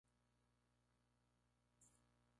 Actualmente es uno de los cuatro mayores bancos del Uruguay.